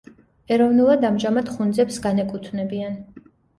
ეროვნულად ამჟამად ხუნძებს განეკუთვნებიან.